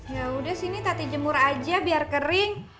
yaudah sini tati jemur aja biar kering